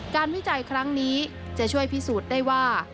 วิจัยครั้งนี้จะช่วยพิสูจน์ได้ว่า